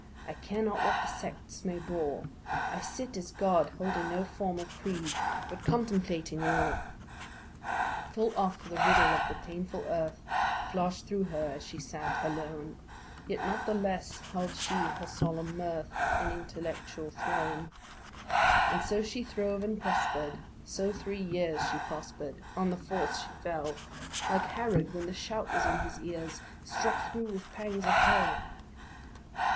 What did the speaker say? I care not what the sects may brawl. I sit as God holding no form of creed, But contemplating all." Full oft the riddle of the painful earth Flash'd thro' her as she sat alone, Yet not the less held she her solemn mirth, And intellectual throne. And so she throve and prosper'd: so three years She prosper'd; on the fourth she fell, Like Herod, when the shout was in his ears, Struck thro' with pangs of hell.